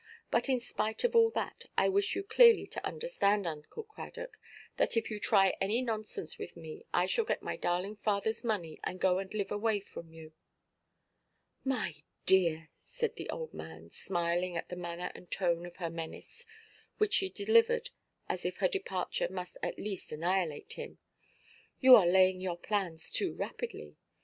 But in spite of all that, I wish you clearly to understand, Uncle Cradock, that if you try any nonsense with me, I shall get my darling fatherʼs money, and go and live away from you." "My dear," said the old man, smiling at the manner and tone of her menace, which she delivered as if her departure must at least annihilate him, "you are laying your plans too rapidly.